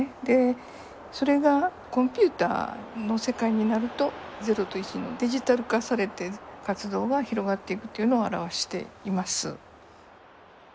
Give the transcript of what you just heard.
でそれがコンピューターの世界になると０と１のデジタル化されて活動が広がっていくというのを表しています。